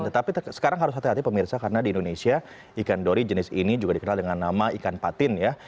tetapi sekarang harus hati hati pemirsa karena di indonesia ikan dori jenis ini juga dikenal dengan nama ikan patin ya